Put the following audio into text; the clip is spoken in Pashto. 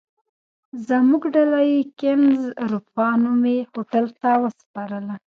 زموږ ډله یې کېنز اروپا نومي هوټل ته وسپارله.